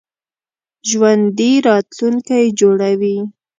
ژوندي راتلونکی جوړوي